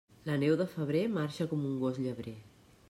La neu de febrer marxa com un gos llebrer.